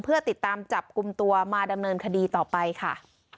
เพื่อติดตามจับกลุ่มตัวมาดำเนินคดีต่อไปค่ะ